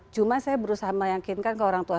cuma saya berusaha meyakinkan ke orang tua